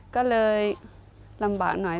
ก็เลยลำบากหน่อย